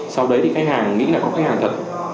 sau đấy thì khách hàng nghĩ là có khách hàng thật